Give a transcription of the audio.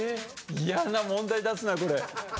嫌な問題出すなこれ。